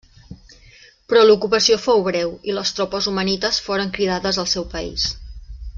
Però l'ocupació fou breu i les tropes omanites foren cridades al seu país.